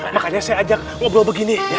makanya saya ajak ngobrol begini